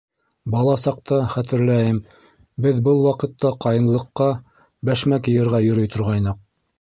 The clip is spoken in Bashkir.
— Бала саҡта, хәтерләйем, беҙ был ваҡытта ҡайынлыҡҡа бәшмәк йыйырға йөрөй торғайныҡ...